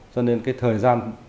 cho nên cái thời gian